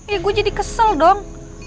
ya gue jadi kesel dong